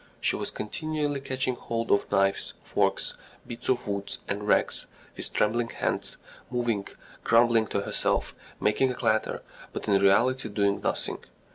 She was continually catching hold of knives, forks, bits of wood, and rags with trembling hands, moving, grumbling to herself, making a clatter, but in reality doing nothing.